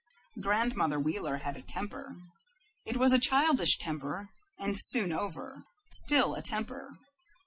Grandmother Wheeler had a temper. It was a childish temper and soon over still, a temper.